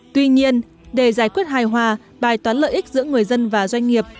tuy nhiên để giải quyết hài hòa bài toán lợi ích giữa người dân và doanh nghiệp